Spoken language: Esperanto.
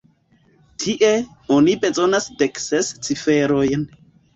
Tie, oni bezonas dek ses ciferojn.